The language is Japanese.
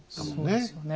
そうですよね。